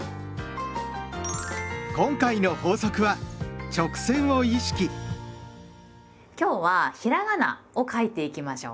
今回の法則は今日はひらがなを書いていきましょう。